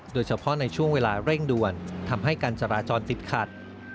โดยเฉพาะในช่วงเวลาเร่งด่วนทำให้การจราจรติดขัด